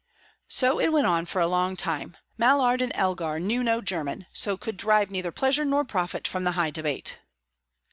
So it went on for a long time. Mallard and Elgar knew no German, so could derive neither pleasure nor profit from the high debate.